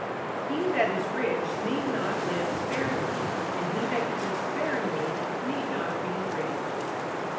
He that is rich need not live sparingly, and he that can live sparingly need not be rich.